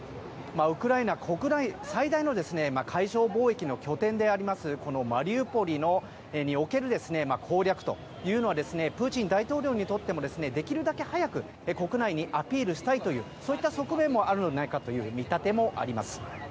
ウクライナ国内で最大の海上貿易の拠点であるマリウポリにおける攻略というのはプーチン大統領にとってもできるだけ早く国内にアピールしたいというそういった側面もあるのではないかという見立てもあります。